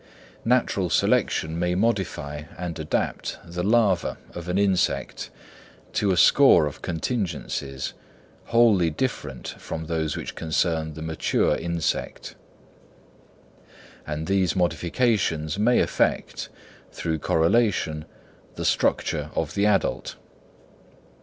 Natural selection may modify and adapt the larva of an insect to a score of contingencies, wholly different from those which concern the mature insect; and these modifications may affect, through correlation, the structure of the adult.